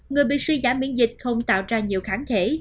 người bị suy giảm miễn dịch không tạo ra nhiều kháng thể